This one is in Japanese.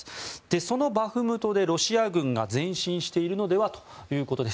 そのバフムトでロシア軍が前進しているのではということです。